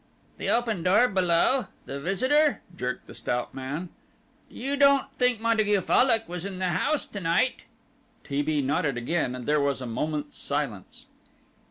"The open door below the visitor?" jerked the stout man, "you don't think Montague Fallock was in the house to night?" T. B. nodded again, and there was a moment's silence.